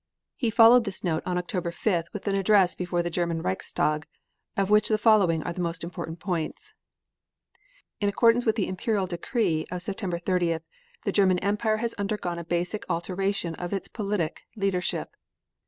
He followed this note on October 5th with an address before the German Reichstag, of which the following are the most important points: In accordance with the Imperial decree of September 30th, the German Empire has undergone a basic alteration of its politic leadership.